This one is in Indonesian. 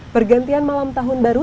pergantian malam tahun baru